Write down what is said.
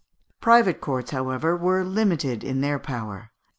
] Private courts, however, were limited in their power.